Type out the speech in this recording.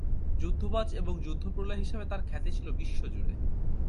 যুদ্ধবাজ এবং যুদ্ধ-প্রলয় হিসেবে তার খ্যাতি ছিল বিশ্বজুড়ে।